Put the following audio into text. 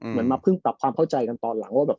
เหมือนมาเพิ่งปรับความเข้าใจกันตอนหลังว่าแบบ